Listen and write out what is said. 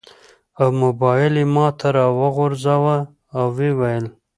او موبایل یې ماته راوغورځاوه. و یې ویل: